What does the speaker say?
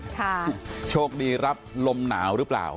โชคดีรับลมหนาวหรือเปล่า